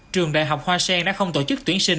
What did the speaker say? trường đại học hoa sen đã không tổ chức tuyển sinh